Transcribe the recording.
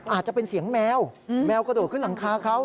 อาจจะเป็นเสียงแมวแมวกระโดดขึ้นหลังคาเขา